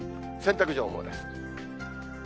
洗濯情報です。